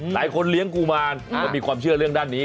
หลายคนเลี้ยงกุมารก็มีความเชื่อเรื่องด้านนี้